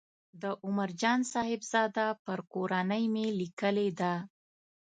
د عمر جان صاحبزاده پر کورنۍ مې لیکلې ده.